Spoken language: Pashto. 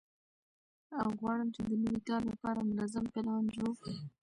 او غواړم چې د نوي کال لپاره منظم پلان جوړ